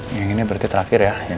ini berarti terakhir ya